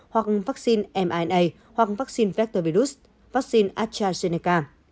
hoặc vaccine mrna hoặc vaccine vector virus vaccine astrazeneca